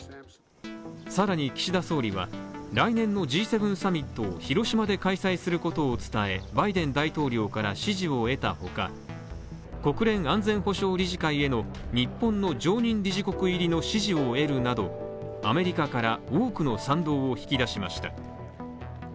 更に岸田総理は、来年のＧ７サミットを広島で開催することを伝えバイデン大統領から支持を得たほか国連安全保障理事会への日本の常任理事国入りの支持を得るなどアメリカから多くの賛同を引き出しました。